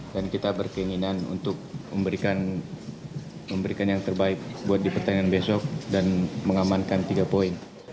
dan kita berkeinginan untuk memberikan yang terbaik buat di pertandingan besok dan mengamankan tiga poin